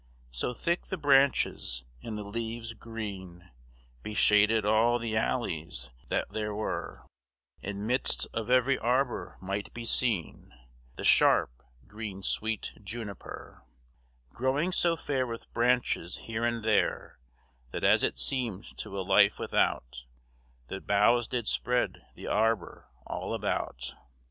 So thick the branches and the leves grene, Beshaded all the alleys that there were, And midst of every arbour might be seen, The sharpe, grene, swete juniper, Growing so fair with branches here and there, That as it seemed to a lyf without, The boughs did spread the arbour all about.